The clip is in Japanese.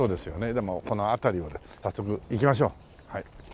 でもこの辺りを早速行きましょうはい。